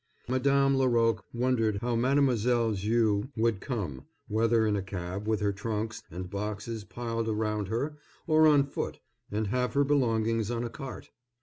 Madame Laroque wondered how Mademoiselle Viau would come, whether in a cab, with her trunks and boxes piled around her, or on foot, and have her belongings on a cart.